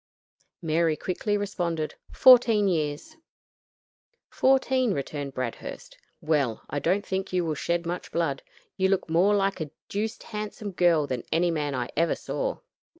Mary quickly responded, "Fourteen years." "Fourteen," returned Bradhurst: "well, I don't think you will shed much blood. You look more like a deuced handsome girl than any man I ever saw."